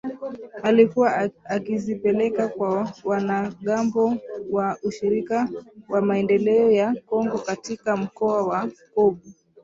Alikuwa akizipeleka kwa wanamgambo wa Ushirika kwa Maendeleo ya Kongo katika mkoa wa Kobu.